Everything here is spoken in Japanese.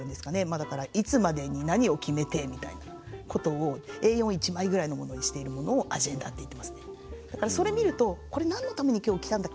まあだからいつまでに何を決めてみたいなことをＡ４１枚ぐらいのものにしているものをアジェンダって言ってますね。